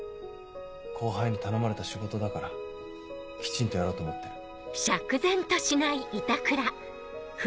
後輩に頼まれた仕事だからきちんとやろうと思ってる。